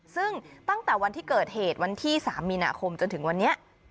ซึ่งตั้งแต่วันที่เกิดเหตุวันที่๓มีนาคมจนถึงวันนี้